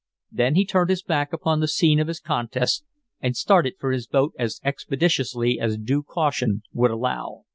Then he turned his back upon the scene of his contest, and started for his boat as expeditiously as due caution would allow.